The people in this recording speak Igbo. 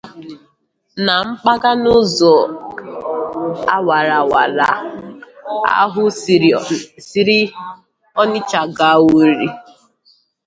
na mpaghara ụzọ awara awara ahụ siri Ọnịcha gaa Owerri.